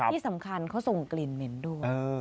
ที่สำคัญเขาส่งกลิ่นเหม็นด้วย